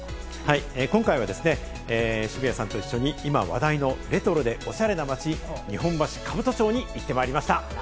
今回は渋谷さんと一緒に今、話題のレトロでおしゃれな街、日本橋・兜町に行ってまいりました！